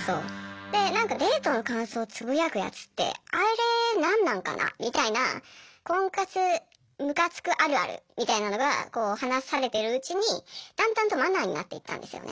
で何か「デートの感想つぶやくやつってあれなんなんかな」みたいな「婚活ムカつくあるある」みたいなのがこう話されてるうちにだんだんとマナーになっていったんですよね。